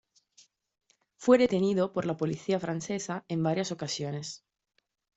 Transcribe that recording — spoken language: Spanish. Fue detenido por la policía francesa en varias ocasiones.